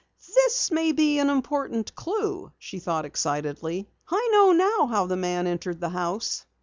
"This may be an important clue!" she thought excitedly. "I know now how the man entered the house!"